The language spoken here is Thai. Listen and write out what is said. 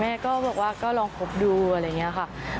แม่ก็บอกว่าก็ลองคบดูอะไรอย่างนี้ค่ะ